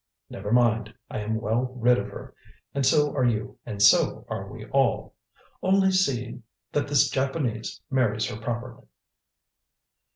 "Never mind; I am well rid of her, and so are you, and so are we all. Only see that this Japanese marries her properly."